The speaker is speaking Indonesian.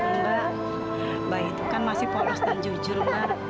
mbak mbak itu kan masih polos dan jujur mbak